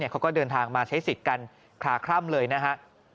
เขาก็เดินทางมาใช้สิทธิ์กันคลาคล่ำเลยนะฮะ